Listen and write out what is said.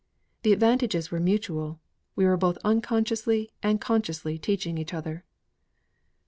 The advantages were mutual: we were both unconsciously and consciously teaching each other."